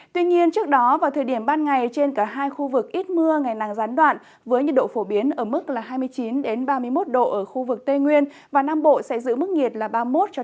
tuy nhiên trước đó vào thời điểm ban ngày trên cả hai khu vực ít mưa ngày nắng gián đoạn với nhiệt độ phổ biến ở mức hai mươi chín ba mươi một độ ở khu vực tây nguyên và nam bộ sẽ giữ mức nhiệt là ba mươi một ba mươi